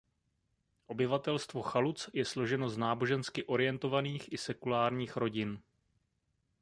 Obyvatelstvo Chaluc je složeno z nábožensky orientovaných i sekulárních rodin.